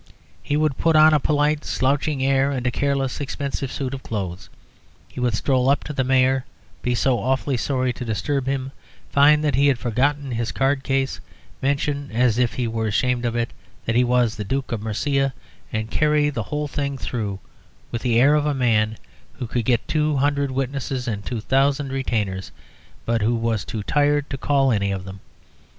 He would put on a polite slouching air and a careless, expensive suit of clothes; he would stroll up to the Mayor, be so awfully sorry to disturb him, find he had forgotten his card case, mention, as if he were ashamed of it, that he was the Duke of Mercia, and carry the whole thing through with the air of a man who could get two hundred witnesses and two thousand retainers, but who was too tired to call any of them.